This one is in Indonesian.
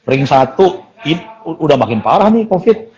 ring satu udah makin parah nih covid